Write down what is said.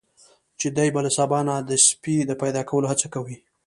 چې دی به له سبا نه د سپي د پیدا کولو هڅه کوي.